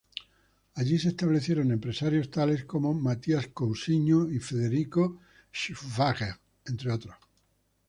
Allí se establecieron empresarios tales como Matías Cousiño y Federico Schwager, entre otros.